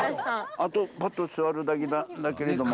あと、ぱっと座るだけだけれども。